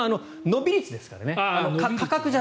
伸び率ですから。